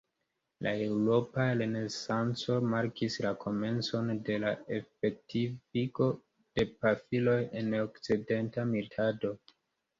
La eŭropa Renesanco markis la komencon de la efektivigo de pafiloj en okcidenta militado.